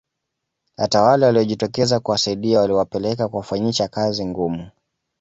Hata wale waliojitokeza kuwasaidia waliwapeleka kuwafanyisha kazi ngumu